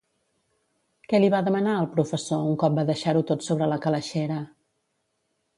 Què li va demanar al professor un cop va deixar-ho tot sobre la calaixera?